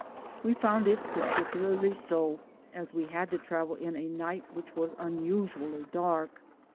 We found it particularly dreary, as we had to travel in a night which was unusually dark.